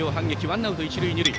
ワンアウト一塁二塁。